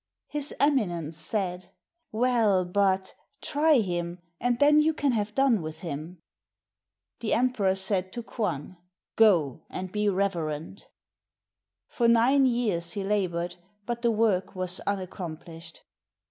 His Eminence said, " Well, but — try him, and then you can have done with him." The emperor said to K'wan, " Go; and be reverent!" For nine years he labored, but the work was unaccomplished.